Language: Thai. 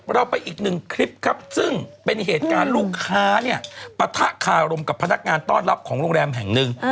เราไปอีกหนึ่งคลิปครับซึ่งเป็นเหตุการณ์ลูกค้าเนี่ยปะทะคารมกับพนักงานต้อนรับของโรงแรมแห่งหนึ่ง